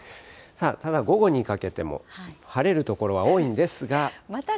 ただ、午後にかけても晴れる所が多いんですが。